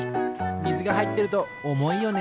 みずがはいってるとおもいよね。